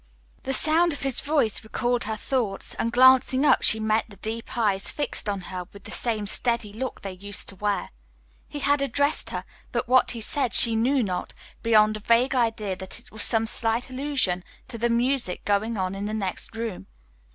The sound of his voice recalled her thoughts, and glancing up she met the deep eyes fixed on her with the same steady look they used to wear. He had addressed her, but what he said she knew not, beyond a vague idea that it was some slight allusion to the music going on in the next room.